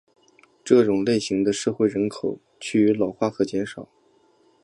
这种类型的社会人口趋于老化和减少。